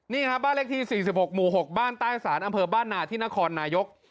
นี่ครับบ้านเลขที่๔๖หมู่๖บ้านใต้ศาลอำเภอบ้านนาที่นครนายก